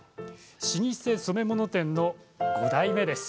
老舗染め物店の５代目です。